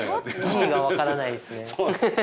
意味がわからないですね。